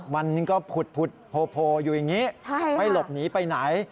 มันก็ผุดโผล่อยู่อย่างนี้